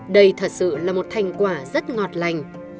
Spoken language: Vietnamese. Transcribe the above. đây thật sự là một thành quả rất ngọt lành